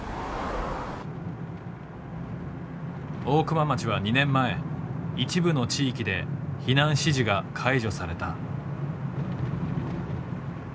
大熊町は２年前一部の地域で避難指示が解除された。